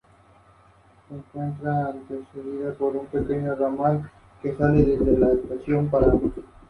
Algunas personas se dedican a la venta de artesanías.